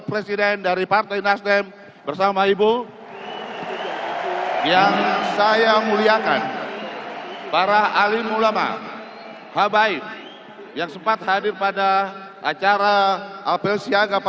rabbana atina milladunka rahmatau